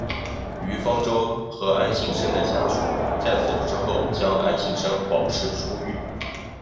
于方舟和安幸生的家属在此之后将安幸生保释出狱。